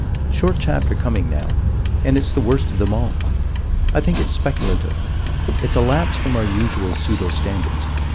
15 Short chapter coming now, and it's the worst of them all. I think it's speculative. It's a lapse from our usual pseudo standards.